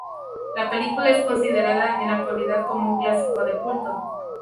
La película es considerada en la actualidad como un clásico de culto.